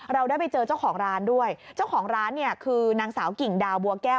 เราได้ไปเจอเจ้าของร้านด้วยเจ้าของร้านเนี่ยคือนางสาวกิ่งดาวบัวแก้ว